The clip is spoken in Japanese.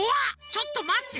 ちょっとまって。